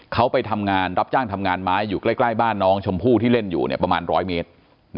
เขาไปทำงานรับจ้างทำงานไม้อยู่ใกล้บ้านน้องชมพู่ที่เล่นอยู่ประมาณ๑๐๐เมตร